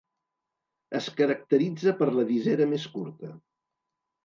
Es caracteritza per la visera més curta.